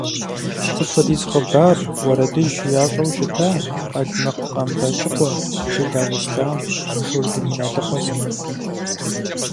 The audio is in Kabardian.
Сыт хуэдиз хъыбар, уэрэдыжь ящӏэу щыта Къалмыкъ Къамбэчыкъуэ, Жылау Ислъам, Шурдым Иналыкъуэ сымэ.